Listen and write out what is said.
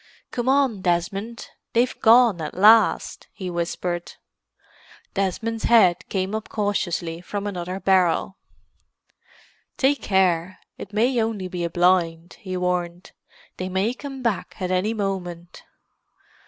"Come on, Desmond—they've gone at last!" he whispered. Desmond's head came up cautiously from another barrel. "Take care—it may be only a blind," he warned. "They may come back at any moment."